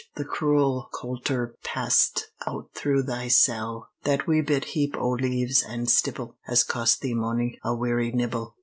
the cruel coulter passed Out through thy cell. That wee bit heap o' leaves an' stibble Has cost thee mony a weary nibble!